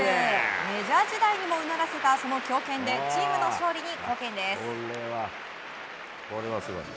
メジャー時代にもうならせたその強肩でチームの勝利に貢献です。